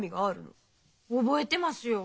覚えてますよ。